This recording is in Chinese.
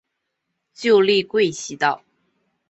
旧隶贵西道。